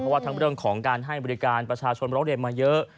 เพราะว่าทั้งเรื่องของเกี่ยวกับการให้บริการประชาชนมาเล่นมาเยอะ